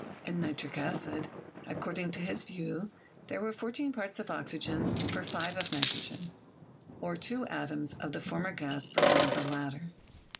In nitric acid, according to his view, there were 14 parts of oxygen for 5 of nitrogen, or two atoms of the former gas for one of the latter.